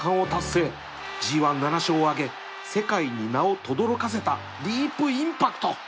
ＧⅠ７ 勝を挙げ世界に名をとどろかせたディープインパクト